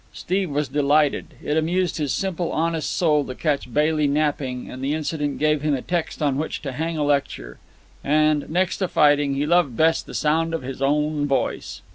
Steve was delighted. It amused his simple, honest soul to catch Bailey napping, and the incident gave him a text on which to hang a lecture. And, next to fighting, he loved best the sound of his own voice.